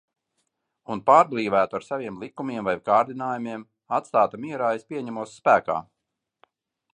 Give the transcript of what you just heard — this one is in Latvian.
Un pārblīvētu ar saviem likumiem vai kārdinājumiem. Atstāta mierā, es pieņemos spēkā.